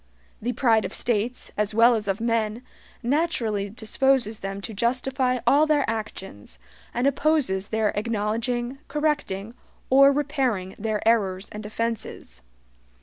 The pride of states, as well as of men, naturally disposes them to justify all their actions, and opposes their acknowledging, correcting, or repairing their errors and offenses.